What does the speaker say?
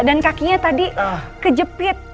dan kakinya tadi kejepit